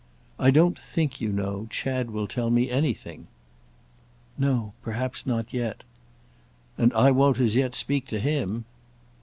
"I don't think, you know, Chad will tell me anything." "No—perhaps not yet." "And I won't as yet speak to him."